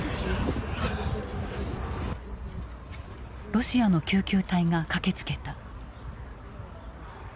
ロシアの救急隊が駆けつけた。